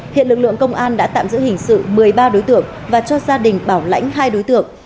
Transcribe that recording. hiện lực lượng công an đã tạm giữ hình sự một mươi ba đối tượng và cho gia đình bảo lãnh hai đối tượng